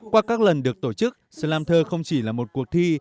qua các lần được tổ chức slam thơ không chỉ là một cuộc thi